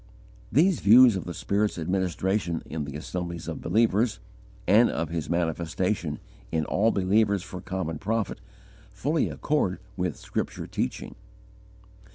These views of the Spirit's administration in the assemblies of believers, and of His manifestation in all believers for common profit, fully accord with scripture teaching.